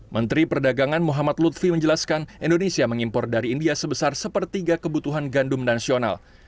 menteri perdagangan muhammad lutfi menjelaskan indonesia mengimpor dari india sebesar sepertiga kebutuhan gandum nasional